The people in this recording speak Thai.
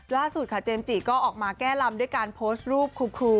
ล่าสุดค่ะเจมส์จิก็ออกมาแก้ลำด้วยการโพสต์รูปครู